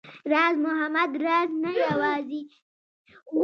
راز محمد راز نه يوازې يو غوره شاعر، بلکې يو نابغه ناول ليکوال و